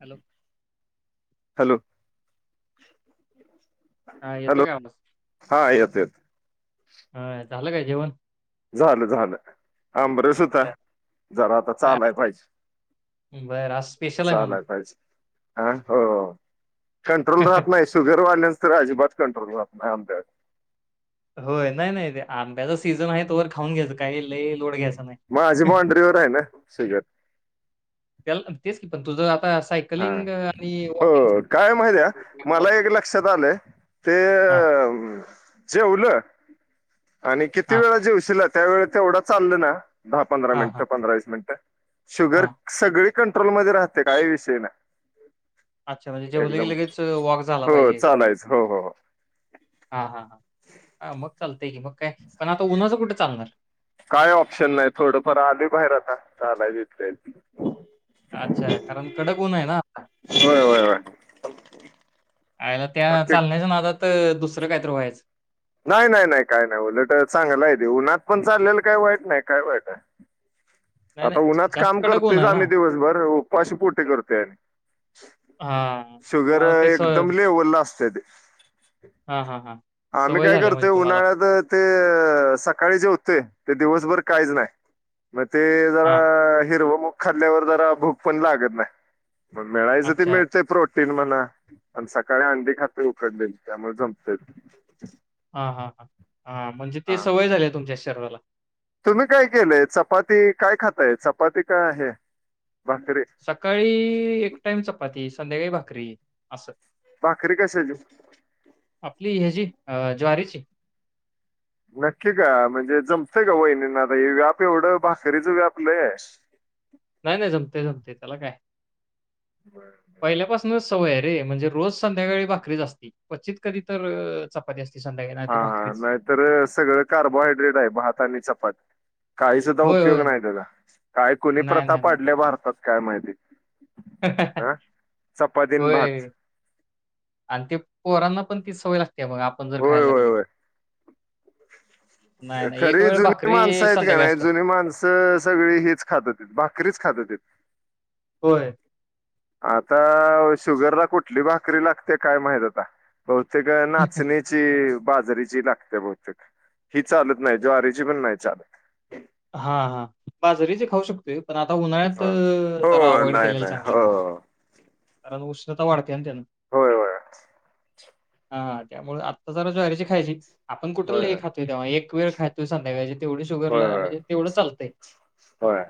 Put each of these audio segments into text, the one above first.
Hello! Hello! हा येतो hello! का आवाज हा येत येतो. हा झालं काय जेवण? झालं झालं आंबरस होता. बर जरा आता आज- चालाया पाहिजे बर, आज स्पेशल आहे म्हणा चालाया पाहिजे आ हो हो कंट्रोल राहत नाही, शुगर वाढल्याच तर अजिबात कंट्रोल राहत नाही [unintelligible] होय नाही नाही ते आंब्याचच सीझन आहे तोवर खाऊन घ्यायच काही लय लोड घ्यायच नाही. माझी बाॉंड्रीवर आहे ना शुगर त्याला तेच पण तुझा आ हां होय काय माहितीया? मला प्रॉब्लेम एक लक्षात आलंय ते हा जेवल आणि किती हा वेळा जेवशीलात? त्यावेळी तेवढं चालल ना दहा पंधरा हा मिनिट हा पंधरा वीस मिनिटं शुगर हा सगळी कंट्रोलमध्ये राहतेय काही रिस्क [unintelligible] ना अच्छा म्हजे जेवल कि लगेच वॉक झाला हो पाहिजे एक चालायच हो हो हो हा हा. हा मग चालतं. ठीक आय मग काय, पण आता उन्हाचं कुठं? चांभार. काय ऑप्शन नाही थोडंफार आली बाहेर आता. [unintelligible] अच्छा कारण कडक ऊण आहे ना आता. होय होय होय. आयला त्या बाकी चालण्याच्या नादात अ दुस दुसरं काय तर व्हायचं. नाय नाय नाय काय नाय उलट चांगलय ते, उन्हात पण चाललेलं काय वाईट नाय काय वाईट आहे. नाही आता नाही उन्हात जास्त काम कडक ऊन करतोयच आहे ना आम्ही दिवसभर ऊनात ऊ उपाशी पोटी करतोय. हां, शुगर तुम्हाला अ ते सवय एकदम लेवलला असते, ते हां, हां, हां. आम्ही सवय काय झाली करतोय म्हणजे तुम्हाला. उन्हाळ्यात ते अ सकाळी जेवतय कध दिवसभर काहीच नाही. ते हां, जरा हिरवं मुंग खाल्ल्यावर जरा भूक पण लागतं नाही. मग मिळायचं ती अच्छा. मिळतेय प्रोटी तीन मना पण सकाळी आंडी खातोय उकडलेली. त्यामुळं जमतंय ते. हां हां हां हां म्हजे ते हा सवय झालीया तुमच्या शरीराला. तुम्ही काय केलंय चपाती काय खाताय चपाती काय हे? सकाळी एक टाइम चपाती. संध्याकाळी भाकरी असं. भाकरी कशाची आपली ह्याजी ज्वारीची [inaudible] नक्की का म्हणजे जमतय का वहिणींना आता व्याप एवढं भाकरीच व्याप लय आहे नाही नाही जमते जमते त्याला काय बर बर पहिल्यापासूनच सवय आहे रे म्हणजे रोज संध्याकाळी भाकरी च आसते क्वचित कधी तर चपाती असते हा हा नाहीतर सगळं कार्बोहायड्रेट आहे भात आणि चपाती काही सुद्धा होय, उपयोग होय. नाही त्याचा काय कुणी नाही, प्रथा नाही, नाही. पाडल्या भारतात काय माहिती हा चपातीन भात होय आणि ते पोरना पण ती सवय लागत्या. होय- होय- होय नाही, नाही. एक खरी वेळ जुनी माणसं भाकरी आहेत कणाय संध्याकाळी नाही असते. जुनी माणसं सगळी हीच खात होतीत भाकरीच खात होतीत. होय आता शुगरला कुठली भाकरी लागत्या काय माहित आता. बहुतेक क नाचनीची. बाजारीची लागत्या बहुतेक बहतेक ही चालत नाही ज्वारीची पण नाही चालत हा हा बाजारीची खाऊ शकतोय. पण आता उन्हाळ्यात हा जरा हो अवॉइड नाही केलेला नाही चांगलाय हो कारण. [unintelligible] होय होय. हा त्यामूळ आत्ता जरा ज्वारीची खायची. आपण कुठ होय लय होय. खातोय तेव्हा एक- तू एक खातोस संध्याकाळची. तेवढी होय शुगरला होय म्हणजे. तुला चालतंय. होय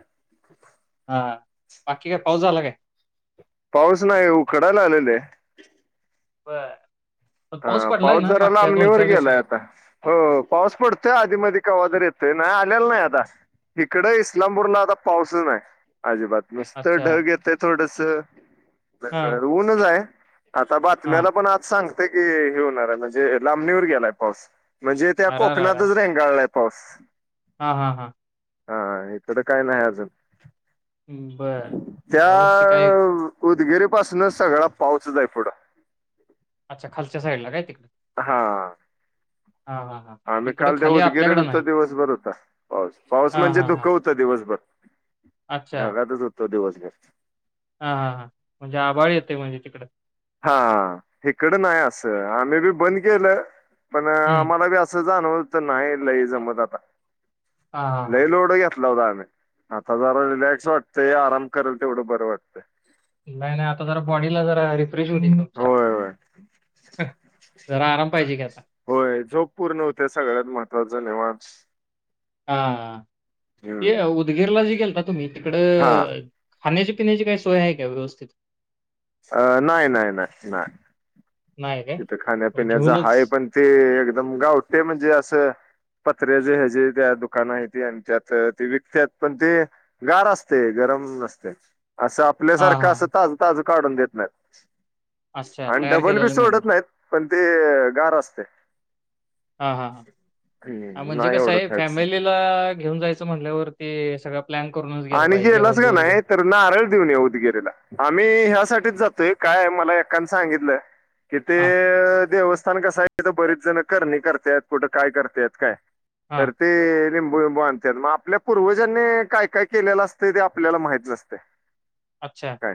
हा बाकी काय पाऊस झाला काय? पाऊस नाही उखडाय लागलंय लही बर हा पाऊस जराला आमनेवर दिवसात? गेलाय आता हो पाऊस पडतोय आधी माधी कावाटती येत ते नाही आलेलं नाही आता इकड इस्लामपूरला आता पाऊसच नाही. अजिबात मस्त अच्छा. ढग येतय थोडस हां, ऊनच आहे. आता हां. बातम्याला पण आज सांग- की हे होणार आहे म्हणजे लांबणीवर गेलाय पाऊस. म्हणजे त्या कोकणातच रेंगाळल्यात. पाऊस हा हा हा. हा हिकडं काय नाय अजून उम् बरं यावर्षी काय त्या उदगिरी पासन सगळा पाऊसच आय पुढं अच्छा! खालच्या साईडला काय तिक? हा. हां, हां. आम्ही इकडं काल त्या खाली उदगीरीवर आपल्याकडं हुतो, नाही. दिवसभर हुता पाऊस, पाऊस हां, म्हणजे हां, हां. धुकं हुतं दिवसभर ढगातच होतो दिवस [unintelligible] हा हा हा म्हणजे आबाळ येतय म्हणजे तिकड हा हिकडं नाही असं, आम्ही बी बंद केलं. पण हं. आमाला बी असं [unintelligible] नाही लई जमत आता हां, हां, लई हां. लोड घेत् [unintelligible] आमी, आता जरा रिलॅक्स वाटतय, आराम करल तेवढ बरं वाटतय. नाई नई आता जरा बॉडीला जरा री फ्रेश होऊदे की तुमच्या, होय होय जरा आराम पाहिजे की आता होय झोप पूर्ण हुत्या सगळ्यात महत्त्वाच निवांत हा हा. ते हम्म उदगीरला जे गेल ला तुम्ही तिकड हा खाण्याची पिण्याची काय सोय हाय काय व्यवस्थित? अ नाई नाई नाई, नाय. नाही काय? तिथं म्हणजे खाण्यापिण्याच घेऊनच हाय पण ते एक दम गावटी म्हणजे असं पत्र्याच हेजे त्या दुकान हायती, आणि त्यात ते विकत्यात पण ते गार असतय, गरम नसतय. असं हां, आपल्यासारखं हां, असं हां. ताज ताज काढून देत नाईत. अच्छा! तयार केलेल मिळणार. पण ते गार असतय. हा हा हा म्हणजे नाही कस एवढं आय, खायचं फॅमिलीला घेऊन जाय च म्हटल्यावरती सगळ्या आणि गेलास कनाय तर नारळ देऊन ये उदगिरीला, आम्ही ह्यासाठीच जातोय. काय मला एकान सांगितलं. कि हां, ते देवस् स्थान कसं हाय, तिथं बरीच जण करनी करत्यात, कुठं काय करत्यात काय हां. तर ते. लिंबू बिंबू आणत्यात मग आपल्या पूर्वजांनी काय काय. केलेलं असतं ते आपल्याला माहित नसतय. अच्छा. काय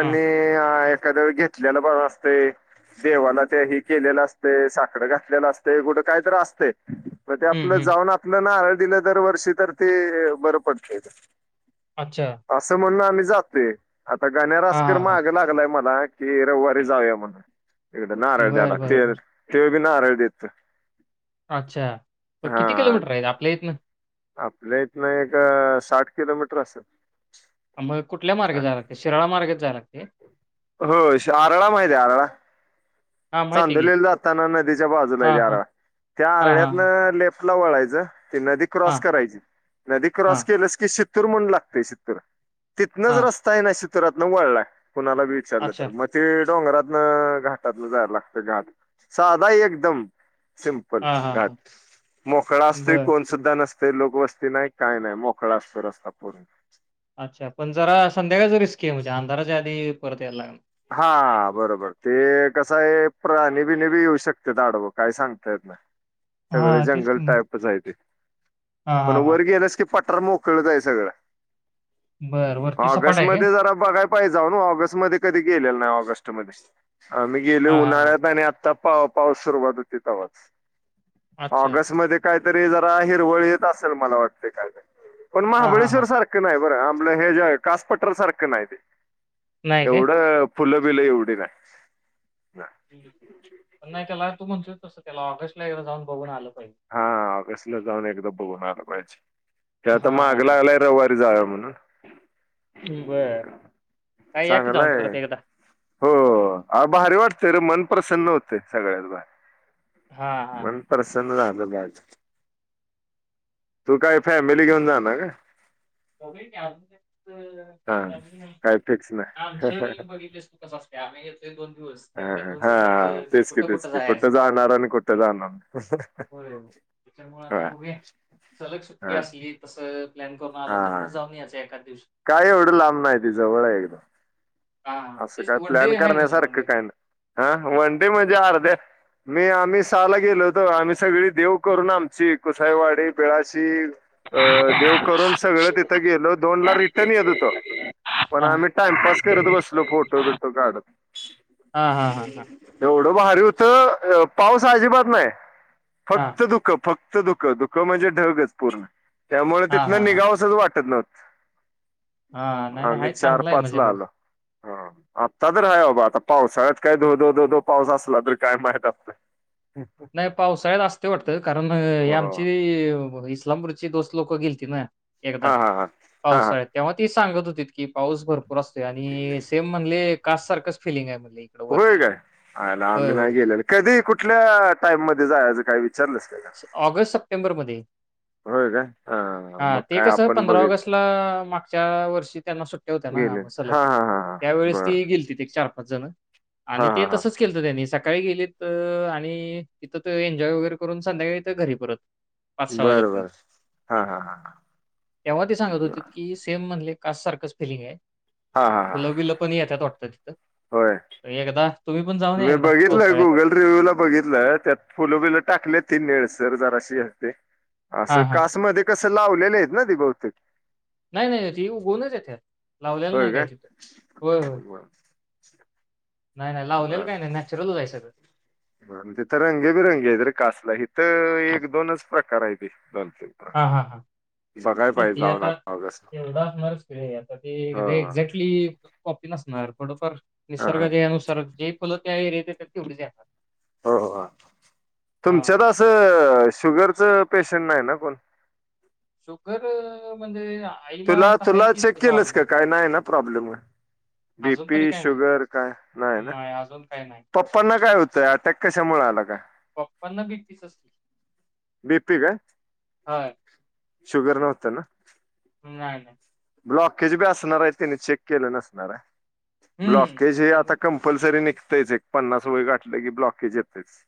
हां. अ. एखाद्याळी घेतलेलं पण असते देवाला त्या हे केलेलं असते साखडं घातलेलं असते कुठं काही तरी असते. मग ते हं, आपलं हं. जाऊन आपलं नारळ. दिलं दरवर्षी तर ते बर पडतंय. तेज. अच्छा. असं म्हण आम्ही. जातोय. आता गाण्या हां, रासकर हां, हां. माग लागलाय मला. की रविवारी जाऊया म्हणून. तीकड नारळ द्यायला बरं, बरं, तेल बरं. ते. की नारळ देत. अच्छा पण हा किती किलोमीटर आहे आपल्या इथनं? आपल्या इथन एक अ साठ किलोमीटर असल. मग कुठल्या मार्गे जायला लांगतय शिराळा मार्गेेच जायला लागतय? हो श आरळा माहित हे आरळा हां, माहिती आहे की. चांदोलीला जाताना नदीच्या बाजूला हे हां, ते हां. आरळा त्या हां, हां. आरळ्यातन लेप्ट ला वळायच ती नदी क्रॉस हां, करायची नदी क्रॉस हां. केलस की शीर शीत्तूर म्हणून लागतेय शीतूर तितनच हां. रस्ता आहे ना शीत रातन वळलाय. कुणालाबी विचारलं अच्छा. तर. म ते डोंगरातन घाटातन जायला लागत घाट साधा आहे एकदम. सिम्पल हां, हां, घाट हां. मोकळा असतोय बरं. कोण सुुद्धा नस ते लोकवस्ती नाही काय नाही मोकळा असतो रस्ता पूर्ण. अच्छा पण जरा संध्याकाळचा रिस्की आहे म्हणजे आंधाराज. आधी परत यायंलागणार. हा बरोबर ते कसं आहे प्राणी बिनी बी येऊ शकत्यात आडव काही सांगता येत नाही. सगळे हां, तेच जंगल की मग. टाईपच आहे ते. हां, पण हां, हां. वर गेलास की पट टर मोकळच आहे सगळं. बरं. वरती सपाट ऑगस्ट आहे काय? मध्ये जरा बघाय पाहिजे जाऊन ऑगस्ट मध्ये. कधी गेल्यालो नाही ऑगस्ट मध्ये. आम्ही गेलोय, हां, हां, हां. उन्हाळ्यात आणि आता पा पाऊस सुरुवात होती, तवाच. अच्छा. ऑगस्ट मध्ये काय तरी जरा हिरवळ येत असेल, मला वाटतय काय तर. पण हां, हां, हां. महाबळेश्वर सारखं नाही बरं हे जे कासपठार सारखं नाही ते. नाही काय? एवढं फुलं बिलं एवढी नाही. पण नाही, त्याला तू म्हणतोय त्याला ऑगस्ट हा ऑगस्टला जाऊन एकदा बघून आल पाहिजे, ते आता हां, माग हां, हां. लागलाय रविवारी जावुया म्हणून [unintelligible] बरं काय या की जाऊन चांगलंय परत एकदा. हो हा आत भारी वाटतेय रे मन प्रसन्न होतय, सगळ्यात हा भारी मन प्रसन्न झाल. बघायचं तू काय फॅमिली घेऊन जाणार का? बघुया हा की काय फिक्स [unintelligible] नाही आमचं बघितलेस, तू कस असतयं आम्ही [unintelligible] ह एवढ्या दोन हा दिवसात अ, तेच की कुठं तेच की कुठं जायचं जाणार आणि कुठे जाणार ह होय त्याच्यामुळे ह, हा आता बघूया हा प्लान करून आलो तु हा जाऊन यायचं एखाद दिवशी. काय एवढं लांब नाही, ती जवळ हाय एकदम हा असं तेच काय की वन प्लॅन डे आहे म्हणजे वन करण्यासारखं डे काय ना हा वनडे म्हणजे अर्ध्या मी आम्ही सहाला गेलो, होतो आम्ही सगळी देव करून आमची कुसाईवाडी बेळाशी अ देव करून सगळं तिथं गेलो, दोन ला हा रिटर्न येत होतय, पण आम्ही टाइमपास करत बस [unintelligible] फोटो बिटो काढत. हा हा हा हा हा एवढं भारी होतं, पाऊस अजिबात नाही. फक्त धुक फक् फक्त धुक, धुक म्हणजे, ढगच पूर्ण. त्यामुळे हा हा तिथनं निघावसंच वाटत नव्हतं. हां नाही नाही हाय चांगलं आहे म्हणजे मग. हां आत्ता तर आहे बाबा आता पाऊसाळ्यात काय धोधो धोधो पाऊस असला तर काय [unintelligible] नाही पावसाळ्यात असते वाटतं कारण हे हो. आमची व इस्लामपुर ची दोस्त लोकं गेलती ना. एकदा हा हा हा हा हा पावसाळ्यात तेव्हा ती सांगत होतीत की पाऊस भरपूर असतोय आणि सेम म्हणले काच सारखच फिलिंग आहे म्हण होय काय? आईला आम्ही नाही गेलेले कधी कुठल्या टाईम म धे जायचं काही ऑगस्ट-सप्टेंबरमध्ये होय काय हा हां मग ते काय कसं आपण पंधरा बघेल ऑगस्टला मागच्या वर्षी त्यांना सुट्या होत्या ना गेले म सलग हा हा हा हा त्यावेेळेस बर ती गेलतीत एक चार पा च जण. हा आणि हा ते हा तसंच केलंत त्यांनी सका सकाळी गेलीत अ आणि तिथं ते एन्जॉय वगैरे करून संध्याकाळी इथं घरी परत पाच-सहा बरं बर वाजेपर्यंत हा हा हा तेव्हा ते सांगत होते की सेम म्हणले [unintelligible] सारखंच फिलिंग आहे. हा हा हा फुलं बिलं पण येतात वा ं होय [unintelligible] एकदा. तुम्ही पण जाऊन या मी एकदा बघितलंय पावसाळ्यात. गुगल रिव्ह्यूला बघितलं, त्यात फुल-बिल टाकलेत. ती निळसर जराशी असते. असं हां, हां. कासमध्ये कस लावलेले आहेत ना ते बहुतेक. नाही-नाही ती उगूनच येत्यात लावलेली होय नाही काही काय तिथं होय होय. [unintelligible] नाही, नाही. लावलेलं काही नाही. नॅचरलच आहे सगळं. बर तिथं रंगबिरंगी आहेत रे, कासला हित एक-दोनच प्रकार. प्रकार हायती. दोन तीन हा, हा, हा, पाहिजे ते जाऊन आता ऑगस्ट एवढ असंणारच की ते आता ते हो एक्झॅक्टली नसणार थोडफार. ह निसर्ग देयानुसार जे फुल. त्या एरियात येतात तेवढीच येणार. हो हां. तुमच्यात असं शुगरचं. पेशंट नाही ना कोण? शुगर म्हणजे आईला तुला आता आहे तुला तीच चेक की केलस का नॉर्मल. काय नाही ना प्रॉब्लेम अजून तरी बीपी काय नाही. शुगर काय नाही ना अजून काही नाही. पप्पांना काय होतंय अटॅक कशामुळे आला का पप्पांना बी तीचच की. बीपी काय होय. शुगर नव्हतं ना. नाही नाही. ब्लॉकेज बी असणार आहे त्याने चेक केलं नसणार आहे. हं. ब्लॉकेज हे त्यांनी आता कंपल्सरी निघ. च एक पन्नास वेळ गठले की ब्लॉकेज येतेच.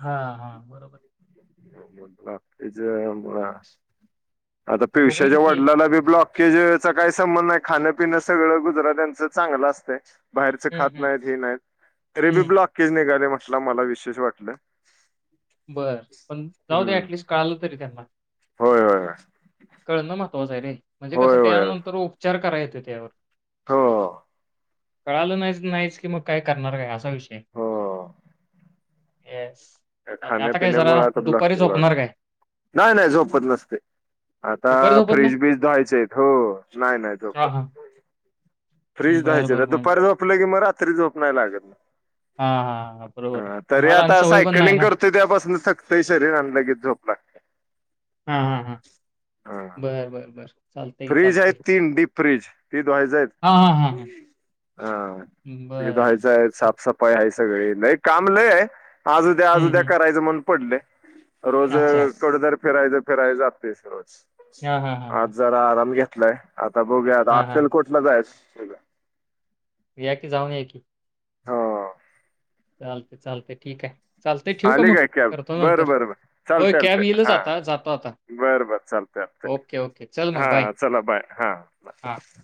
हा हा बरोबर. मु्रीच मुळा बघूया की ते [unintelligible] केजेचा काही संबंध नाही. खाणपिणं सगळं गुजरात्यांच चांगलं असतंय. बाहेरचे हं, खात हं. नाहीत ही नाहीत तरी बी हं. ब्लॉकेज निघाले म्हण. न मला विशेष वाटलं. बरं पण जाऊ दे हम्म ऍटलिस्ट कळलं तरी त्यांना. होय होय होय. कळणं महत्वाचं है रे. म्हणजे कसं त्यानंतर उपचार करायचं. [inaudible] हो हो. कळालं नाही नाहीच की मग काय करणार काय असा विषय येस. चालतंय. आता काय खाण्यापिण्यामुळ जरा माधव दुपारी लागते वाडा झोपणार काय? नाय नाय झोपत नसतं. आता दुपारी झोपत नाही? फ्रीज बीज धुवायचेत हो नाय नाय झोपत हां, हां. फ्रीज बरं, धुवायचे बरं, बरं. दुपारी झोपलं की मग रात्री झोप नाहीय नाय लागत हां, हां, हां. बरोबर आहे. तरी तुम्हाला आणि आता सवय नाईट. पण नाही कलिंग ना? करतोय त्यापासून थकतय शरीर आणि लगेच झोप लागते. हम्म्म. हा बर बर. फ्रीज आहेत तीन डीप फ्रीज ती धुवायचं. हां, हां, हां, हां. [unintelligible] बरं. लय असं. लय काम लय है. आज उद्या आज हं, उद्या हं. करायचं म्हण. पडले. अच्छा. [unintelligible] फेराय द फेराय जात्यस रोज. हा हा हा [unintelligible] हां. बघूयातअक्षेलकोटला जायस या की जाऊन या की. हो चालते चालतंय ठीक. चालतंय ठेवू का आली काय मग? कॅब करतो बर नंतर. बर बर होय, चालतंय कॅब चालतं येईलच हा आता. जातो आता. बर बर चालत अब तक ओके, ओके. चल मग हा बाय. चला बाय हा हां. बाय.